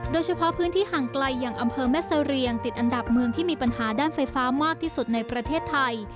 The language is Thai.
โดยเฉพาะพื้นที่ห่างไกลอย่างอำเภอแม่เสรียงติดอันดับเมืองที่มีปัญหาด้านไฟฟ้ามากที่สุดในประเทศไทย